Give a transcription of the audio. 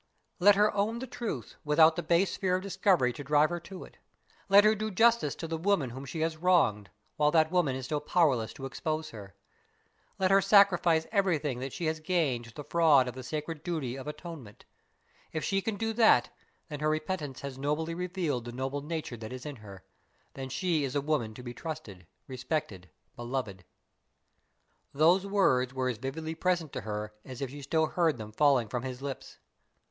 "Let her own the truth, without the base fear of discovery to drive her to it. Let her do justice to the woman whom she has wronged, while that woman is still powerless to expose her. Let her sacrifice everything that she has gained by the fraud to the sacred duty of atonement. If she can do that, then her repentance has nobly revealed the noble nature that is in her; then she is a woman to be trusted, respected, beloved." Those words were as vividly present to her as if she still heard them falling from his lips.